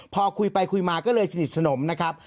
พอคุยไปคุยมาก็เลยสนิทสนมนะครับ